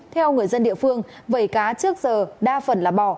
theo người dân địa phương vẩy cá trước giờ đa phần là bò